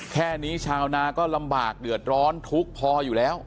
แค่นี้ชาวนาก็ลำบากเดือดร้อนทุกข์พออยู่แล้ว